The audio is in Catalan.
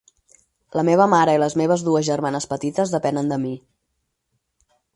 La meva mare i les meves dues germanes petites depenen de mi.